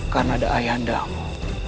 karena dia siandiesmu